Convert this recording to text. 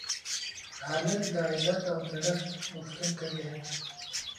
هلک د عزت او درنښت غوښتونکی دی.